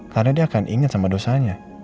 karena dia akan inget sama dosanya